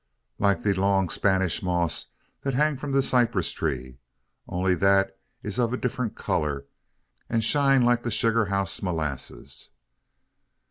Like de long 'Panish moss dat hang from de cyprus tree; only dat it am ob a diff'rent colour, an shine like the sugar house 'lasses."